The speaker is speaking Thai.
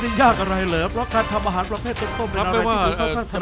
ไม่ได้ยากอะไรเหรอแล้วการทำอาหารประเภทต้นต้มเป็นอะไรที่คุณเข้าข้างถนัดใช่ไหม